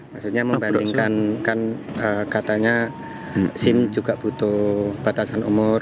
maksudnya membandingkan kan katanya sim juga butuh batasan umur